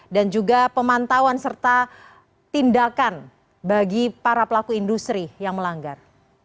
dan juga pemantauan serta tindakan bagi para pelaku industri yang melanggar